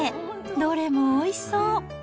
どれもおいしそう。